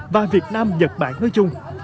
và việt nam nhật bản nói chung